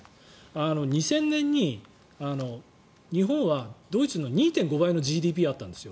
２０００年に日本はドイツの２．５倍のＧＤＰがあったんです。